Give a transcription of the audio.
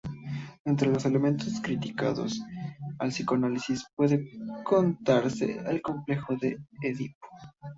Entre los elementos criticados al psicoanálisis puede contarse el Complejo de Edipo.